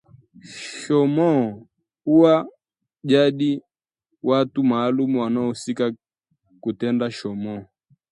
Shomoo huwa jadi watu maalumu wanaohusika kutenda shomoo